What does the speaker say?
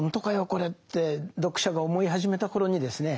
これって読者が思い始めた頃にですね